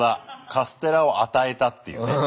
カステラを与えたっていうね。